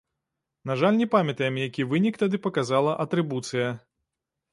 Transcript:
На жаль, не памятаем, які вынік тады паказала атрыбуцыя.